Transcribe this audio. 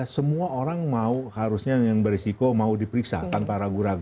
semua orang mau harusnya yang berisiko mau diperiksa tanpa ragu ragu